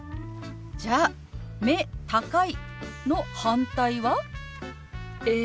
じゃあ「目高い」の反対は？え？